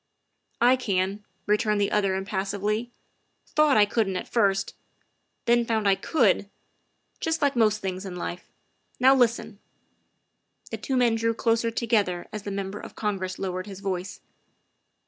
''" I can," returned the other impassively; " thought I couldn't at first, then found I could just like most things in life. Now listen." The two men drew closer together as the Member of Congress lowered his voice.